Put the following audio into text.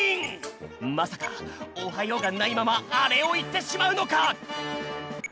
まさか「おはよう」がないままあれをいってしまうのか？